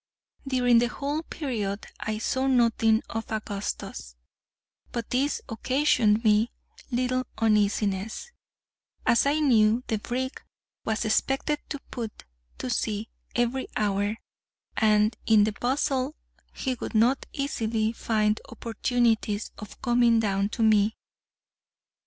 During the whole period I saw nothing of Augustus; but this occasioned me little uneasiness, as I knew the brig was expected to put to sea every hour, and in the bustle he would not easily find opportunities of coming down to me.